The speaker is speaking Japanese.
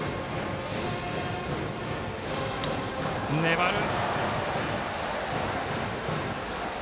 粘る。